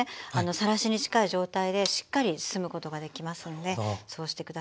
さらしに近い状態でしっかり包むことができますんでそうして下さい。